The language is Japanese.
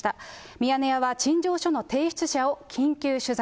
ミヤネ屋は陳情書の提出者を緊急取材。